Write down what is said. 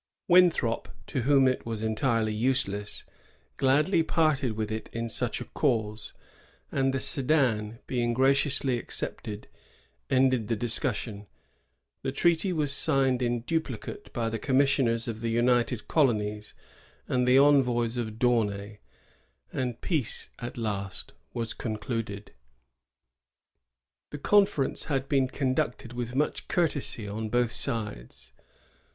Winthrop, to whom it was entirely useless, gladly parted with it in such a cause; and the sedan, being graciously accepted, ended the discussion.^ The treaty was signed in duplicate by the commissioners of the United Colonies and the envoys of D'Aunay, and peace was at last concluded. The conference had been conducted with much courtesy on both sides.